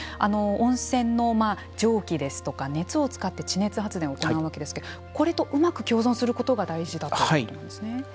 温泉の蒸気ですとか熱を使って地熱発電を行うわけですがこれとうまく共存することが大事だということなんですね。